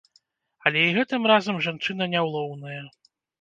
Але і гэтым разам жанчына няўлоўная.